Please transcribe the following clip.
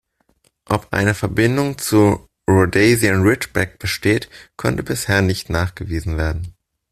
Ob eine Verbindung zum Rhodesian Ridgeback besteht, konnte bisher nicht nachgewiesen werden.